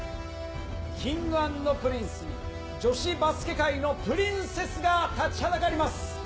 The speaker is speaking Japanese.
Ｋｉｎｇ＆Ｐｒｉｎｃｅに女子バスケ界のプリンセスが立ちはだかります。